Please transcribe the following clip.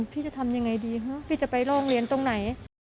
พี่จะทำยังไงดีฮะพี่จะไปโรงเรียนตรงไหน